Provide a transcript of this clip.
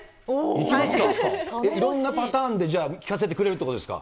いろんなパターンでじゃあ聴かせてくれるということですか？